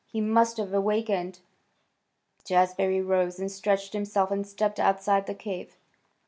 "He must have awakened." Jazbury rose and stretched himself and stepped outside the cave.